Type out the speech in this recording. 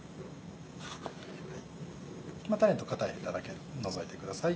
種と硬いヘタだけ除いてください。